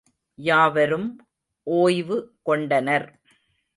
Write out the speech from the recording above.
யாவரும் ஒய்வு கொண்டனர்.